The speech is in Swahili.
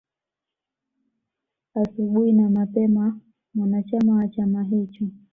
Asubuhi na mapema mwanachama wa chama hicho